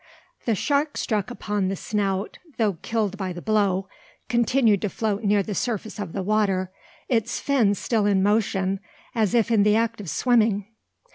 The shark struck upon the snout, though killed by the blow, continued to float near the surface of the water its fins still in motion as if in the act of swimming.